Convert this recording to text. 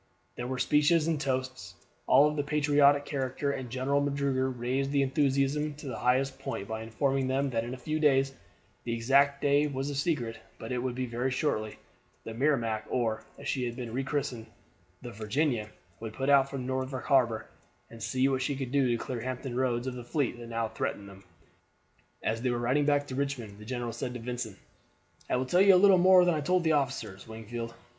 There were speeches and toasts, all of a patriotic character, and General Magruder raised the enthusiasm to the highest point by informing them that in a few days the exact day was a secret, but it would be very shortly the Merrimac, or, as she had been re christened, the Virginia, would put out from Norfolk Harbor, and see what she could do to clear Hampton Roads of the fleet that now threatened them. As they were riding back to Richmond the general said to Vincent: "I will tell you a little more than I told the others, Wingfield.